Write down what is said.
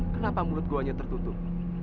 kenapa mulut gue hanya tertutup